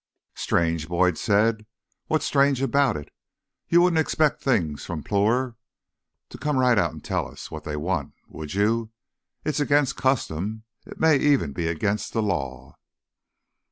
"Strange?" Boyd said. "What's strange about it? You wouldn't expect Things from Ploor to come right out and tell us what they want, would you? It's against custom. It may even be against the law."